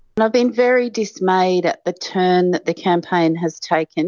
saya sangat disarankan dengan perubahan yang telah dilakukan